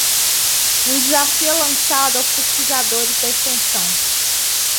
Um desafio é lançado aos pesquisadores da extensão.